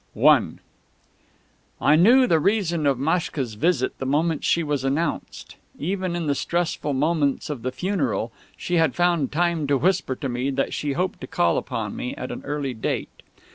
I I knew the reason of Maschka's visit the moment she was announced. Even in the stressful moments of the funeral she had found time to whisper to me that she hoped to call upon me at an early date.